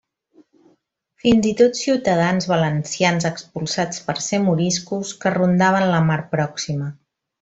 Fins i tot ciutadans valencians expulsats per ser moriscos, que rondaven la mar pròxima.